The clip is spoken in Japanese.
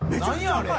あれ。